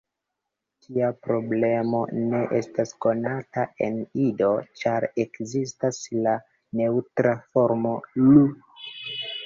Tia problemo ne estas konata en Ido, ĉar ekzistas la neŭtra formo "lu".